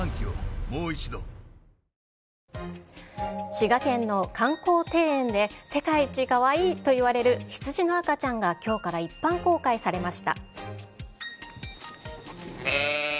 滋賀県の観光庭園で、世界一かわいいといわれるヒツジの赤ちゃんがきょうから一般公開されました。